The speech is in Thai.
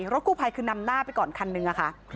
รถกู้ภัยคือนำหน้าไปก่อนคันนึงอะค่ะ